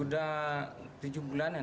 sudah tujuh bulanan